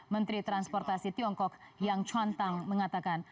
menteri transportasi tiongkok yang chuan tang mengatakan